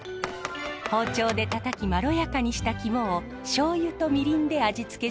包丁でたたきまろやかにした肝をしょうゆとみりんで味付けします。